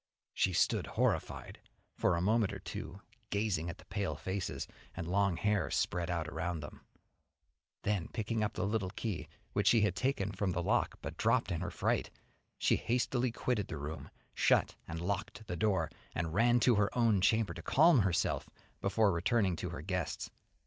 She stood horrified for a moment or two, gazing at the pale faces, and long hair spread out around them, then picking up the little key which she had taken from the lock but dropped in her fright, she hastily quitted the room, shut and locked the door, and ran to her own chamber to calm herself before returning to her guests.